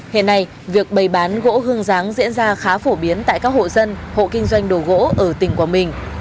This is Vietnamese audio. hiện nay việc bày bán gỗ hương giáng diễn ra khá phổ biến tại các hộ dân hộ kinh doanh đồ gỗ ở tỉnh quảng bình